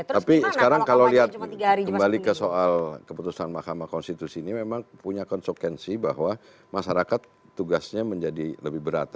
tapi sekarang kalau lihat kembali ke soal keputusan mahkamah konstitusi ini memang punya konsekuensi bahwa masyarakat tugasnya menjadi lebih berat